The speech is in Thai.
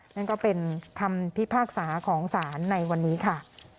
นั่นก็เป็นคำพิพากษาของศาลในวันนี้ค่ะ